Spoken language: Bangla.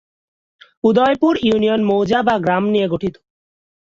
উদয়পুর ইউনিয়ন মৌজা/গ্রাম নিয়ে গঠিত।